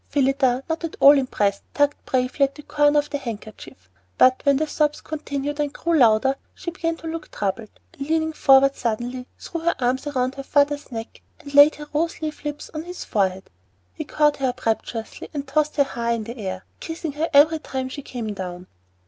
Phillida, not at all impressed, tugged bravely at the corner of the handkerchief; but when the sobs continued and grew louder, she began to look troubled, and leaning forward suddenly, threw her arms round her father's neck and laid her rose leaf lips on his forehead. He caught her up rapturously and tossed her high in air, kissing her every time she came down.